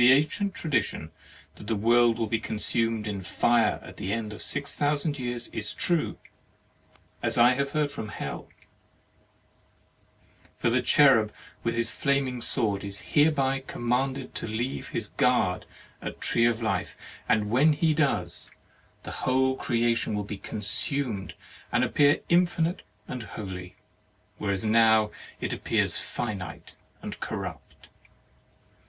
The ancient tradition that the world will be consumed in fire at the end of six thousand years is true, as I have heard from Hell. For the cherub with his flaming sword is hereby commanded to leave his guard at [the] tree of life, and when he does, the whole creation will be consumed and appear infinite and holy, whereas it now appears finite and corrupt.